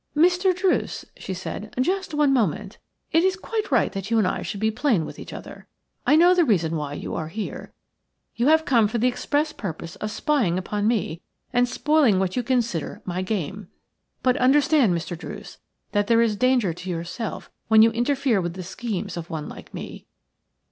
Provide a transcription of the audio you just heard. "Mr. Druce," she said, "just one moment. It is quite right that you and I should be plain with each other. I know the reason why you are here. You have come for the express purpose of spying upon me and spoiling what you consider my game. But understand, Mr. Druce, that there is danger to yourself when you interfere with the schemes of one like me.